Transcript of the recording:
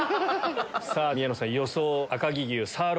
さぁ宮野さん予想。